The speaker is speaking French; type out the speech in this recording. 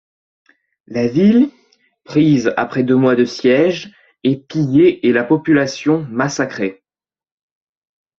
La ville, prise après deux mois de siège, est pillée et la population massacrée.